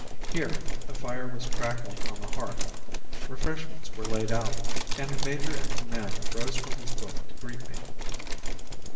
Here a fire was crackling on the hearth, refreshments were laid out, and the major in command rose from his book to greet me.